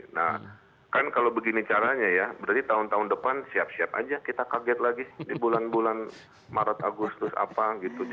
nah kan kalau begini caranya ya berarti tahun tahun depan siap siap aja kita kaget lagi di bulan bulan maret agustus apa gitu